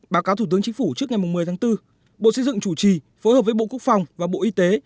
báo cáo thủ tướng chính phủ trước ngày một mươi tháng bốn bộ xây dựng chủ trì phối hợp với bộ quốc phòng và bộ y tế